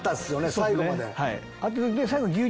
最後まで。